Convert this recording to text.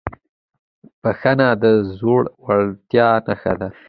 بښنه د زړهورتیا نښه ده.